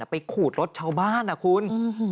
ขูดรถชาวบ้านนะคุณ